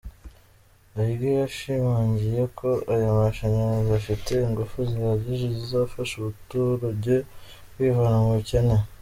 Bahige yashimangiye ko aya mashanyarazi afite ingufu zihagije zizafasha abaturage kwivana mu bukene.